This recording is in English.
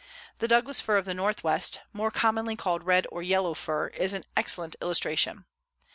The Douglas fir of the Northwest, more commonly called red or yellow fir, is an excellent illustration.